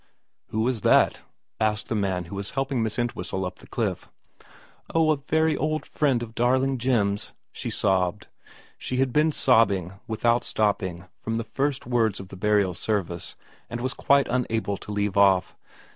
' Who is that ?' asked the man who was helping Miss Entwhistle up the cliff. ' Oh, a very old friend of darling Jim's,' she sobbed, she had been sobbing without stopping from the first words of the burial service, and was quite unable to leave off.